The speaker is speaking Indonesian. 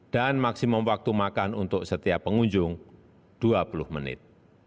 dan maksimum waktu makan untuk setiap pengunjung dua puluh menit